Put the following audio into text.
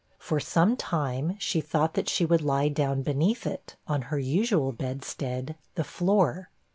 For some time she thought that she would lie down beneath it, on her usual bedstead, the floor.